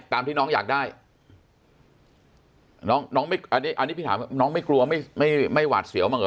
ตามที่น้องอยากได้น้องน้องไม่อันนี้อันนี้พี่ถามว่าน้องไม่กลัวไม่ไม่หวาดเสียวบ้างเห